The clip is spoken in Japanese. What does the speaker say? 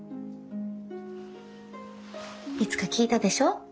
いつか聞いたでしょ？